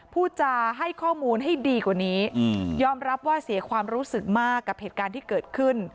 พูดจาให้ข้อมูลให้ดีกว่านี้ยอมรับว่าเสียความรู้สึกมากกับเหตุการณ์ที่เกิดขึ้น